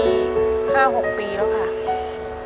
แม่มีหน้าที่อะไรครับตอนที่ช่วงที่ทำไล่อ้อย